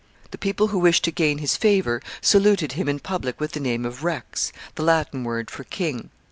The people who wished to gain his favor saluted him in public with the name of Rex, the Latin word for king.